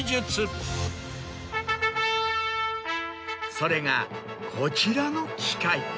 それがこちらの機械。